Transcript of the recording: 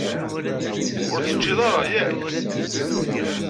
Ur t-teččiḍ ara, yak?